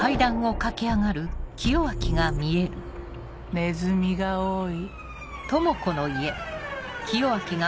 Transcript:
ネズミが多い。